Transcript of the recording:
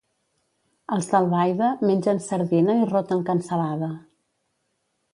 Els d'Albaida mengen sardina i roten cansalada.